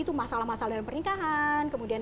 itu masalah masalah dalam pernikahan kemudian